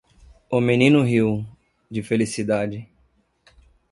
O menino riu - de felicidade.